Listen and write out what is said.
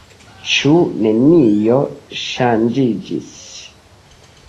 Ĉu nenio ŝanĝiĝis?